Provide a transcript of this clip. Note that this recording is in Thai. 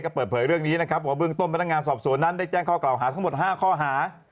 ก็เปิดเผยเรื่องนี้นะครับว่าเบื้องต้นพนักงานสอบสวนนั้นได้แจ้งข้อกล่าวหาทั้งหมด๕ข้อหา